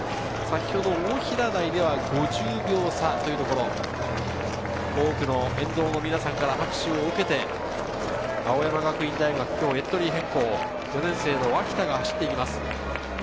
大平台では５０秒差、多くの沿道の皆さんから拍手を受けて、青山学院大学、今日エントリー変更、４年生・脇田が走っていきます。